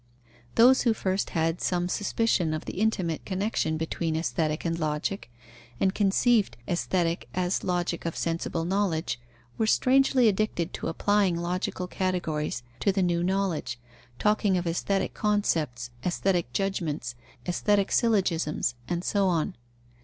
Those who first had some suspicion of the intimate connexion between Aesthetic and Logic and conceived Aesthetic as a Logic of sensible knowledge, were strangely addicted to applying logical categories to the new knowledge, talking of aesthetic concepts, aesthetic judgments, aesthetic syllogisms, and so on.